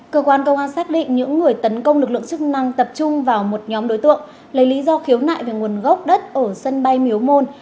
cơ quan công an xác định những người tấn công lực lượng chức năng tập trung vào một nhóm đối tượng lấy lý do khiếu nại về nguồn gốc đất ở sân bay miếu môn